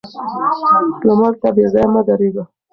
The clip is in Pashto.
لمر ته بې ځايه مه درېږه